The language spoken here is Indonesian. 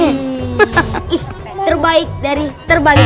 ih terbaik dari terbaik